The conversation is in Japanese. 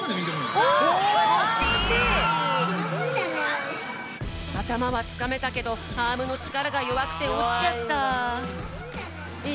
あたまはつかめたけどアームのちからがよわくておちちゃった。